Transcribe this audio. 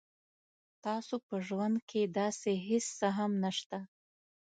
تاسو په ژوند کې داسې هیڅ څه هم نشته